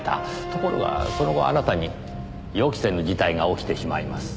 ところがその後あなたに予期せぬ事態が起きてしまいます。